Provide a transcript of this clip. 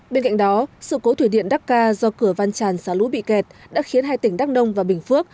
bên cạnh đó sự cố thủy điện đắc ca do cửa văn tràn xả lũ bị kẹt đã khiến hai tỉnh đắk nông và bình phước